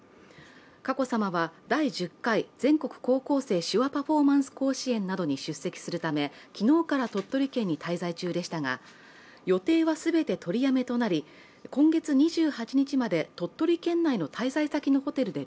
佳子さまは第１０回全国高校生手話パフォーマンス甲子園などに出席するため昨日から鳥取県に滞在中でしたが予定はすべて取りやめとなり、今月２８日まで鳥取県内の滞在先のホテルで